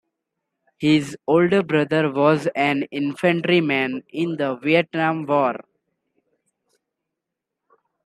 His older brother was an infantryman in the Vietnam War.